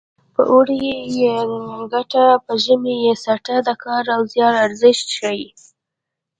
په اوړي یې ګټه په ژمي یې څټه د کار او زیار ارزښت ښيي